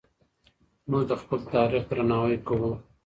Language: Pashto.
موږ د خپل تاریخ درناوی کوو.